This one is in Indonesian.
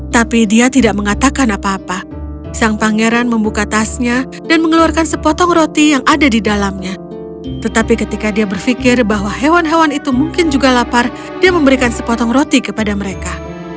tapi dia tidak mengatakan apa apa sang pangeran membuka tasnya dan mengeluarkan sepotong roti yang ada di dalamnya tetapi ketika dia berpikir bahwa hewan hewan itu mungkin juga lapar dia memberikan sepotong roti kepada mereka